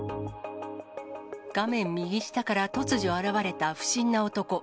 画面右下から突如現れた不審な男。